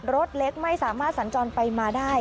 รถเล็กไม่สามารถสัญจรไปมาได้